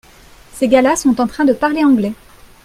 Ces gars-là sont en train de parler anglais.